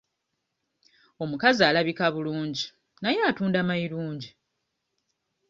Omukazi alabika bulungi naye atunda mayirungi.